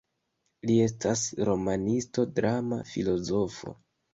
Li estas romanisto, drama filozofo.